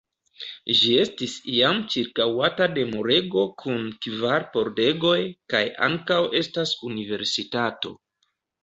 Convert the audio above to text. Ĝi estis iam ĉirkaŭata de murego kun kvar pordegoj kaj ankaŭ estas universitato.